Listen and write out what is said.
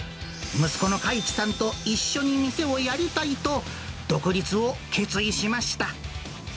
息子の加一さんと一緒に店をやりたいと、独立を決意しました。